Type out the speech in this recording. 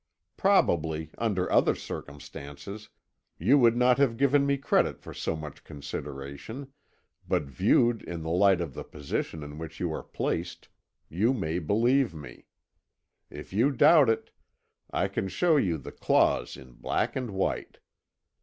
Probably, under other circumstances, you would not have given me credit for so much consideration, but viewed in the light of the position in which you are placed, you may believe me. If you doubt it, I can show you the clause in black and white.